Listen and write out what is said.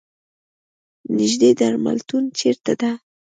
نیږدې درملتون چېرته ده؟